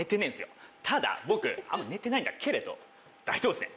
ただ僕あんま寝てないんだけれど大丈夫ですね。